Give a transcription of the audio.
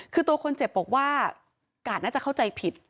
คือตัวคนเจ็บบอกว่ากาดน่าจะเข้าใจผิด